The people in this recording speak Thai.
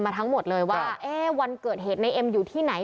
ทั้งหมดเลยว่าเอ๊ะวันเกิดเหตุในเอ็มอยู่ที่ไหน